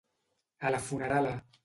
A la funerala.